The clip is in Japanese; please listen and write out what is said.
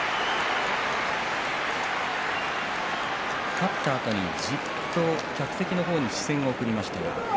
勝ったあとにじっと客席の方に視線を送りました。